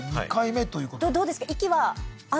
どうですか？